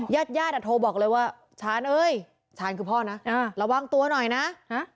ยาดแต่โทรบอกเลยว่าฉานเฮ้ยฉานคือพ่อนะอ่าระวังตัวหน่อยน่ะฮะ